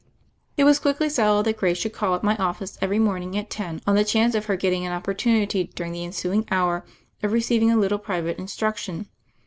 It was quickly settled that Grace should call at my office every morning at ten on the chance of her getting an opportunity during the en suing hour of receiving a little private instruc tion.